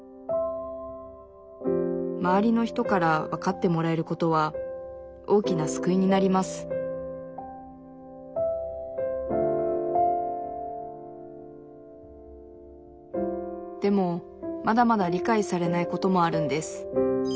周りの人からわかってもらえることは大きな救いになりますでもまだまだ理解されないこともあるんです。